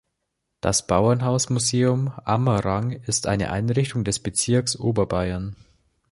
Das Bauernhausmuseum Amerang ist eine Einrichtung des Bezirks Oberbayern.